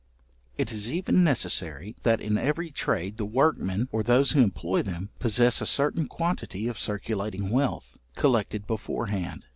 It is even necessary, that in every trade the workmen, or those who employ them, possess a certain quantity of circulating wealth, collected before hand.